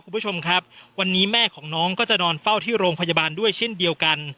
คุณผู้ชมครับวันนี้แม่ของน้องก็จะนอนเฝ้าที่โรงพยาบาลด้วยเช่นเดียวกัน